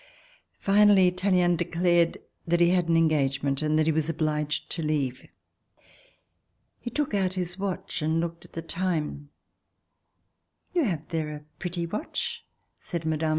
Finally Tallien declared that he had an engage ment and that he was obliged to leave. He took out his watch and looked at the time. ''You have there a pretty watch," said Mme.